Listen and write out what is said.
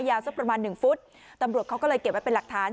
สักประมาณหนึ่งฟุตตำรวจเขาก็เลยเก็บไว้เป็นหลักฐาน